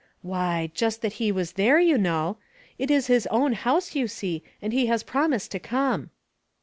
" Why, just that He was there, you know. It is His own house, you see, and He has promised to come."